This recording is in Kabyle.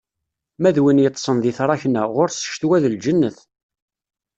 Ma d win yeṭṭsen di tṛakna, ɣur-s ccetwa d lǧennet.